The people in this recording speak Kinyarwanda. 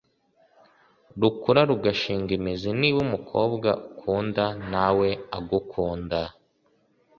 rukura rugashinga imizi. niba umukobwa ukunda na we agukunda